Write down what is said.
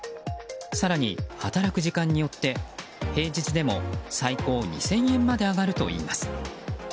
更に働く時間によって平日でも最高２０００円まで上がるといいます。